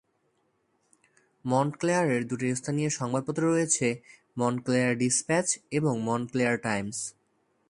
মন্টক্লেয়ারে দুটি স্থানীয় সংবাদপত্র রয়েছে, মন্টক্লেয়ার ডিসপ্যাচ এবং মন্টক্লেয়ার টাইমস।